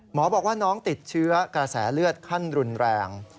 หมอบอกว่าน้องติดเชื้อกระแสเลือดขั้นรุนแรง